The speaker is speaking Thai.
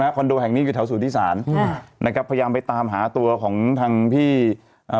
คอนโดแห่งนี้อยู่แถวสุธิศาลอืมนะครับพยายามไปตามหาตัวของทางพี่อ่า